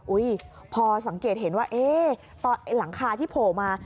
อุ๊ยพอสังเกตเห็นว่าหลังคาที่โผล่มา